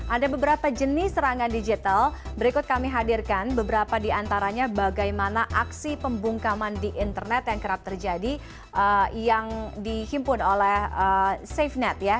ada beberapa jenis serangan digital berikut kami hadirkan beberapa di antaranya bagaimana aksi pembungkaman di internet yang kerap terjadi yang dihimpun oleh safenet ya